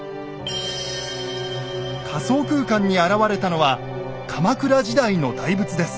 仮想空間に現れたのは鎌倉時代の大仏です。